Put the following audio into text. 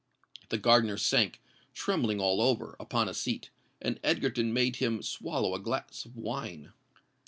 The gardener sank, trembling all over, upon a seat; and Egerton made him swallow a glass of wine.